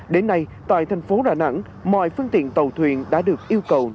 đến nay tại thành phố đà nẵng mọi phương tiện tàu thuyền đã được yêu cầu